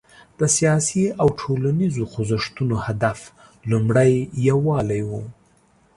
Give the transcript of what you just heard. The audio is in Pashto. د سیاسي او ټولنیزو خوځښتونو هدف لومړی یووالی و.